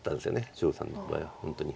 張栩さんの場合は本当に。